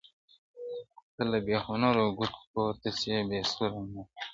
له بې هنرو ګوتو پورته سي بې سوره نغمې!